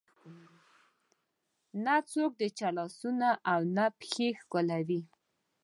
نه څوک د چا لاسونه او نه پښې ښکلوي.